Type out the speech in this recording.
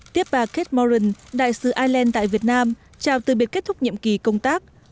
tiếp bà kate moran đại sứ ireland tại việt nam chào từ biệt kết thúc nhiệm kỳ công tác